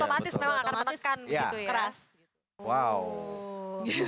udah otomatis memang akan mematikan